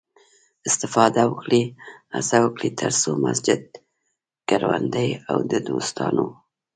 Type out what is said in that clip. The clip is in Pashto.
استفاده وکړئ، هڅه وکړئ، تر څو مسجد، کروندې او د دوستانو